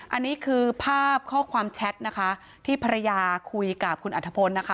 อันนี้คือภาพข้อความแชทนะคะที่ภรรยาคุยกับคุณอัธพลนะคะ